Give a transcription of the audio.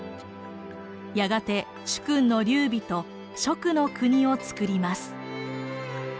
やがて主君の劉備と蜀の国をつくります。